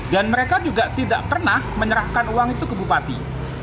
dan mereka juga tidak pernah menyerahkan uang itu ke bupati